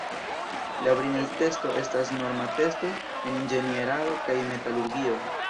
La Brinell-testo estas norma testo en inĝenierado kaj metalurgio.